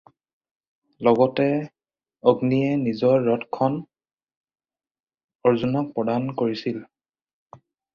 লগতে অগ্নিয়ে নিজৰ ৰথখনো অৰ্জুনক প্ৰদান কৰিছিল।